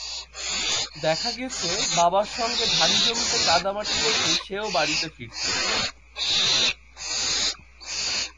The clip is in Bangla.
দেখা গেছে, বাবার সঙ্গে ধানি জমিতে কাদামাটি মেখে সে-ও বাড়িতে ফিরত।